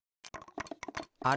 あれ？